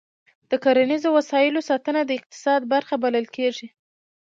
د کرنیزو وسایلو ساتنه د اقتصاد برخه بلل کېږي.